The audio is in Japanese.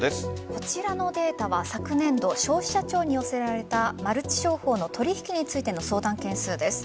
こちらのデータは昨年度消費者庁に寄せられたマルチ商法の取引についての相談件数です。